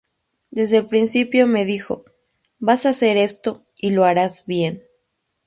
Desde el principio me dijo: "Vas a hacer esto, y lo harás bien".